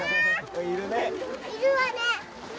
いるわね。